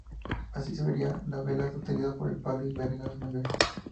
Así sería la vela sostenida por el palo y verga mayores.